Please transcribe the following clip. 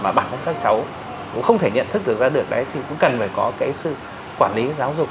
mà bản thân các cháu cũng không thể nhận thức được ra được đấy thì cũng cần phải có cái sự quản lý giáo dục